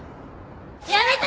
やめて！